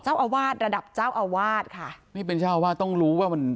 เจ้าอาวาสระดับเจ้าอาวาสค่ะนี่เป็นเจ้าอาวาสต้องรู้ว่ามัน